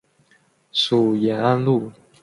属延安路。